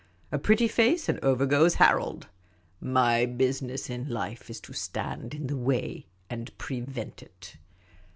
A pretty face, and over goes Harold ! Afy business in life is to stand in the way and prevent it."